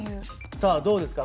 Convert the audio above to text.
さあどうですか？